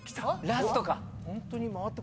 ラストか。